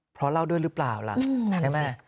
เพราะเล่าด้วยหรือเปล่าล่ะใช่ไหม